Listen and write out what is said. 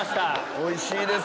おいしです。